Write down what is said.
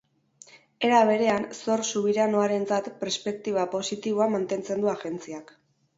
Era berean, zor subiranoarentzat perspektiba positiboa mantentzen du agentziak.